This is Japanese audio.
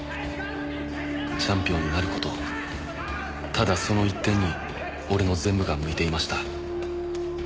「チャンピオンになることただその一点に俺の全部が向いていました」